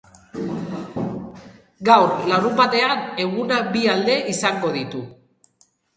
Gaur, larunbatean, egunak bi alde izango ditu.